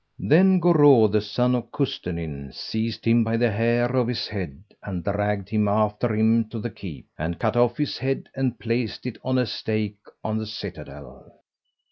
Then Goreu the son of Custennin seized him by the hair of his head and dragged him after him to the keep, and cut off his head and placed it on a stake on the citadel.